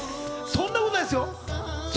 そんなことないですよ。